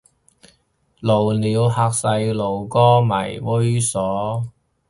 露鳥嚇細路哥咪猥褻